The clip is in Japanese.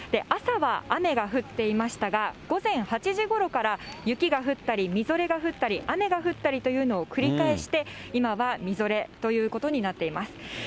朝は雨が降っていましたが、午前８時ごろから、雪が降ったり、みぞれが降ったり、雨が降ったりというのを繰り返して、今はみぞれということになっています。